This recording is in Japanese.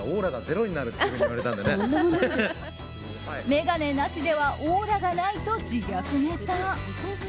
眼鏡なしではオーラがないと自虐ネタ。